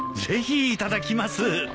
ぜひいただきます。